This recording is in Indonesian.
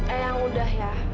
eang udah ya